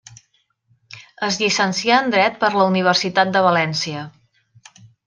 Es llicencià en dret per la Universitat de València.